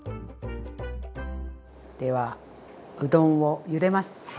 ではうどんをゆでます。